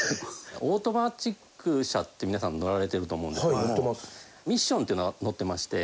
オートマチック車って皆さん乗られてると思うんですけどもミッションっていうのが載ってまして。